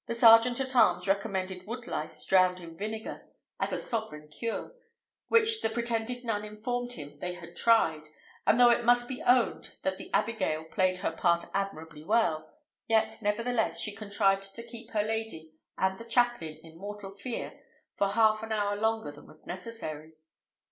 The sergeant at arms recommended woodlice drowned in vinegar as a sovereign cure, which the pretended nun informed him they had tried; and though it must be owned that the abigail played her part admirably well, yet, nevertheless, she contrived to keep her lady and the chaplain in mortal fear for half an hour longer than was necessary.